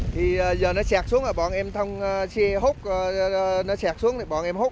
thì giờ nó sạt xuống rồi bọn em xe hút nó sạt xuống rồi bọn em hút